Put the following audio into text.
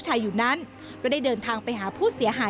ทำไมเราต้องเป็นแบบเสียเงินอะไรขนาดนี้เวรกรรมอะไรนักหนา